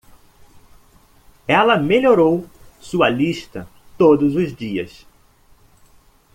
Ela melhorou sua lista todos os dias.